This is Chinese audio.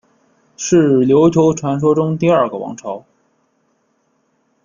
是琉球传说中第二个王朝。